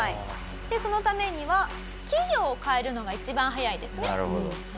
そのためには企業を変えるのが一番早いですね。